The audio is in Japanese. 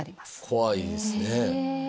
怖いですね。